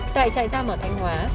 tại trại giam ở thanh hóa